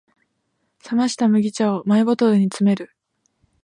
冷ました麦茶をマイボトルに詰める